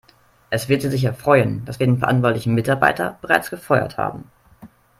Es wird Sie sicher freuen, dass wir den verantwortlichen Mitarbeiter bereits gefeuert haben.